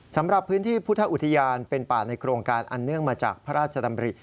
สำหรับพื้นที่พุทธอุทยานเป็นป่าในโครงการอันเนื่องมาจากพระราชดำริ